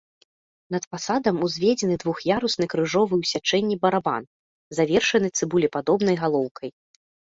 Над фасадам узведзены двух'ярусны крыжовы ў сячэнні барабан, завершаны цыбулепадобнай галоўкай.